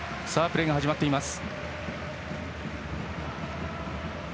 プレーが始まっています。